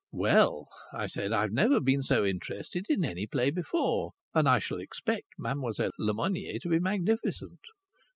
"Well," I said, "I've never been so interested in any play before. And I shall expect Mademoiselle Lemonnier to be magnificent."